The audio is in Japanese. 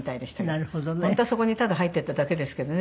本当はそこにただ入っていっただけですけどね